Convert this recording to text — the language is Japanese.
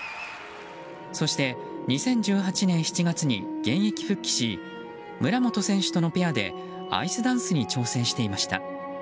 そして、２０１８年７月に現役復帰し村元選手とのペアでアイスダンスに挑戦していました。